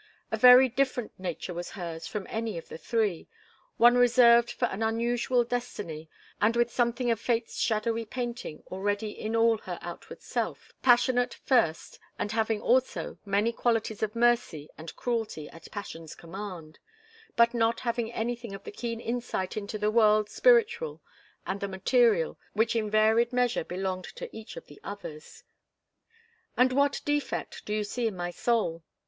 A very different nature was hers from any of the three one reserved for an unusual destiny, and with something of fate's shadowy painting already in all her outward self passionate, first, and having, also, many qualities of mercy and cruelty at passion's command, but not having anything of the keen insight into the world spiritual, and material, which in varied measure belonged to each of the others. "And what defect do you see in my soul?"